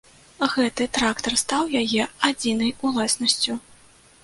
Гэты трактар стаў яе адзінай уласнасцю.